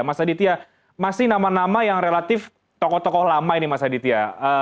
mas aditya masih nama nama yang relatif tokoh tokoh lama ini mas aditya